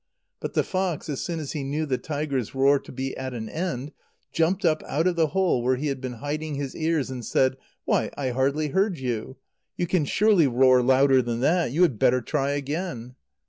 But the fox, as soon as he knew the tiger's roar to be at an end, jumped up out of the hole where he had been hiding his ears, and said: "Why! I hardly heard you. You can surely roar louder than that. You had better try again."